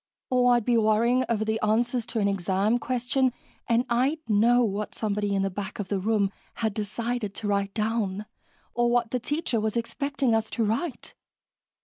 Or I'd be worrying over the answers to an exam question, and I'd know what somebody in the back of the room had decided to write down, or what the teacher was expecting us to write.